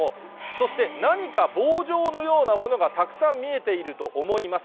そして何か棒状のようなものがたくさん見えていると思います。